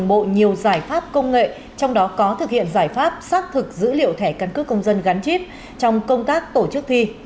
đồng bộ nhiều giải pháp công nghệ trong đó có thực hiện giải pháp xác thực dữ liệu thẻ căn cước công dân gắn chip trong công tác tổ chức thi